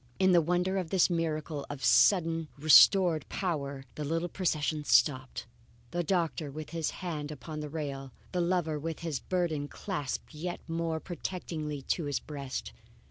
In the wonder of this miracle of suddenly restored power, the little procession stopped, the doctor with his hand upon the rail, the lover with his burden clasped yet more protectingly to his breast.